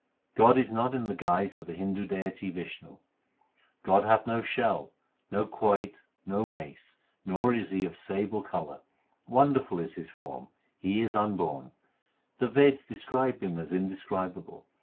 God is not in the guise of the Hindu deity Vishnu : God hath no shell, no quoit, no mace, nor is He of sable colour ; wonderful is His form ; He is unborn. The Veds describe Him as indescribable.